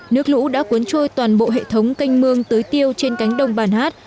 nước lũ đã cuốn trôi toàn bộ hệ thống canh mương tưới tiêu trên cánh đồng bản hát